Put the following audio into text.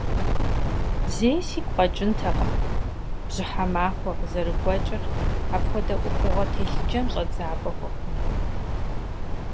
Зэи сигу къэкӀынтэкъым бжьыхьэ махуэ къызэрыгуэкӀыр апхуэдэ Ӏуэхугъуэ телъыджэм щӀэдзапӀэ хуэхъуну.